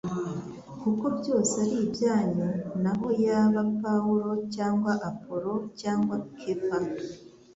«Kuko byose ari ibyanyu naho yaba Pawulo cyangwa Apolo cyangwa Kefa